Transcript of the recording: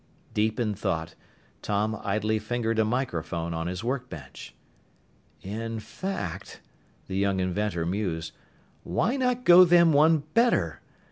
Deep in thought, Tom idly fingered a microphone on his workbench. "In fact," the young inventor mused, "why not go them one better?